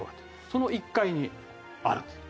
その１階にあるんです。